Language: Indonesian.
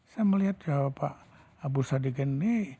saya melihat pak abu sadikin ini